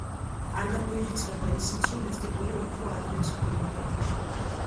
არ გამოირიცხება ისიც რომ ეს ტიტული უფრო ადრეც ჰქონოდათ.